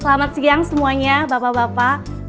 selamat siang semuanya bapak bapak